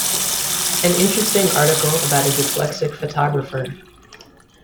An interesting article about a dyslexic photographer.